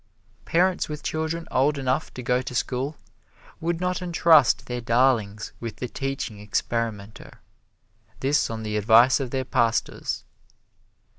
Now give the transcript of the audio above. Parents with children old enough to go to school would not entrust their darlings with the teaching experimenter this on the advice of their pastors.